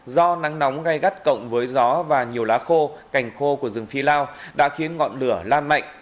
do nắng nóng gai gắt cộng với gió và nhiều lá khô cành khô của rừng phi lao đã khiến ngọn lửa lan mạnh